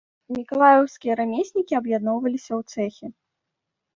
Мікалаеўскія рамеснікі аб'ядноўваліся ў цэхі.